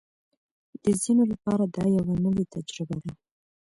د ځینو لپاره دا یوه نوې تجربه ده